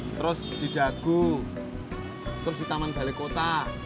terus di dagu terus di taman balai kota